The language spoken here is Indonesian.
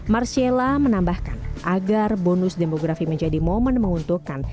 marcella menambahkan agar bonus demografi menjadi momen menguntungkan